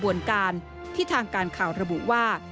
ผู้ร่วมกระบวนการที่ทางการข่าวระบุว่า